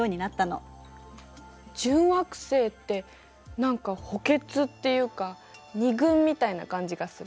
準惑星って何か補欠っていうか二軍みたいな感じがする。